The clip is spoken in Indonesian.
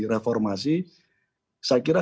reformasi saya kira